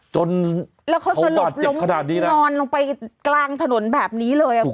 จนเขาบาดเจ็บขนาดนี้นะแล้วเขาสลบลงนอนลงไปกลางถนนแบบนี้เลยคุณค่ะ